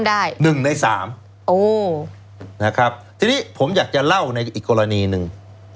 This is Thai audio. ทีนี้ผมอยากจะเล่าในอีกกรณีหนึ่ง